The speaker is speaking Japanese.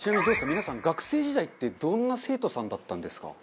皆さん学生時代ってどんな生徒さんだったんですか？